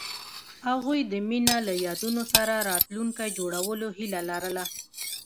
هغوی د مینه له یادونو سره راتلونکی جوړولو هیله لرله.